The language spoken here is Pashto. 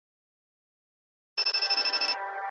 ایا دلته لیوان شته؟